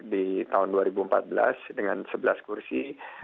di tahun dua ribu empat belas dengan sebelas kursi